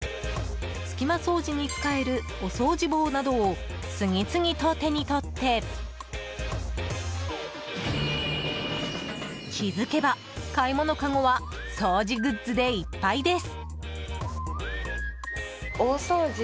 メラミンスポンジ隙間掃除に使えるお掃除棒などを次々と手に取って気づけば買い物かごは掃除グッズでいっぱいです。